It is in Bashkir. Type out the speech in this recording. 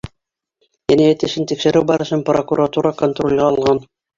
Енәйәт эшен тикшереү барышын прокуратура контролгә алған.